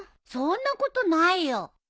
そんなことないよ！